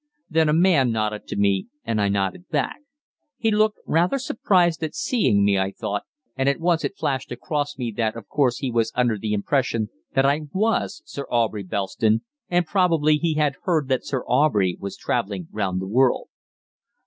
Then a man nodded to me, and I nodded back. He looked rather surprised at seeing me, I thought, and at once it flashed across me that of course he was under the impression that I was Sir Aubrey Belston, and probably he had heard that Sir Aubrey was travelling round the world.